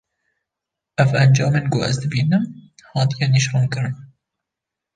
ev encamên ku ez dibînim hatiye nîşankirin;